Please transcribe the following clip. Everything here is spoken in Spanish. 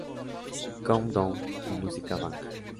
Countdown" y "Music Bank".